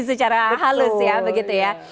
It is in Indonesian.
secara halus ya begitu ya